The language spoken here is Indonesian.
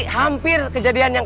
busur aja kita